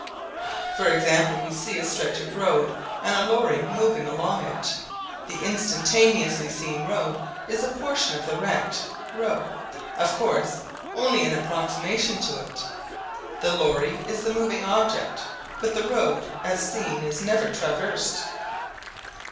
For example, we see a stretch of road and a lorry moving along it. The instantaneously seen road is a portion of the rect ρ of course only an approximation to it. The lorry is the moving object. But the road as seen is never traversed.